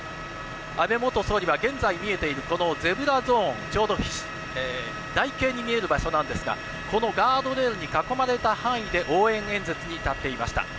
安倍元総理は現在見えている、このゼブラゾーン、ちょうど台形に見える場所なんですが、このガードレールに囲まれた範囲で応援演説に立っていました。